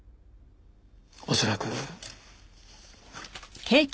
恐らく。